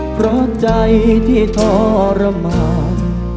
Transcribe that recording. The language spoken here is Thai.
เพราะใจที่ทรมาน